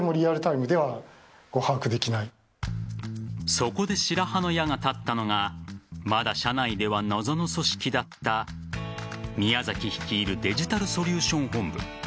そこで白羽の矢が立ったのがまだ社内では謎の組織だった宮崎率いるデジタルソリューション本部。